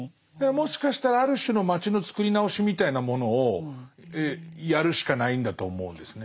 もしかしたらある種の街のつくり直しみたいなものをやるしかないんだと思うんですね。